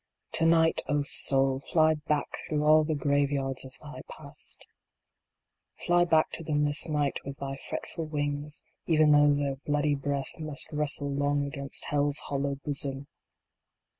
To night, O Soul ! fly back through all the grave yards of thy Past Fly back to them this night with thy fretful wings, even though their bloody breadth must wrestle long against Hell s hollow bosom